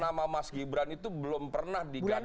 nama mas gibran itu belum pernah diganti